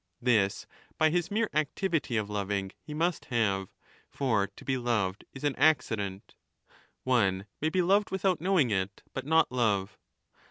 ^ This by his mere activity of loving he must^ have; for to be loved is an accident ; one may be loved without knowing it, but not love.